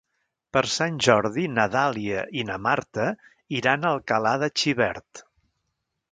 Per Sant Jordi na Dàlia i na Marta iran a Alcalà de Xivert.